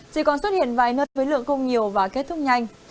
chỉ còn xuất hiện vài nơi với lượng không nhiều và kết thúc nhanh